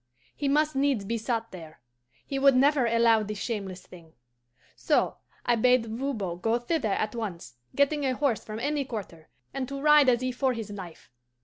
He must needs be sought there: he would never allow this shameless thing. So I bade Voban go thither at once, getting a horse from any quarter, and to ride as if for his life.